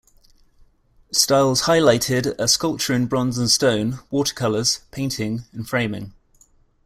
Styles highlighted are sculpture in bronze and stone, watercolors, painting, and framing.